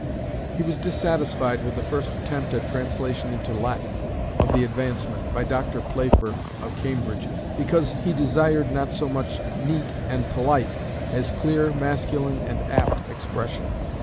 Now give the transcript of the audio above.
He was dissatisfied with the first attempt at translation into Latin of the Advancement by Dr. Playfer of Cambridge, because he "desired not so much neat and polite, as clear, masculine, and apt expression."